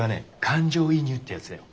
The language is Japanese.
感情移入ってやつだよ。